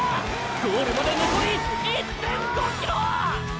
ゴールまでのこり１．５ｋｍ！！